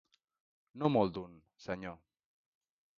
No molt d'un, senyor.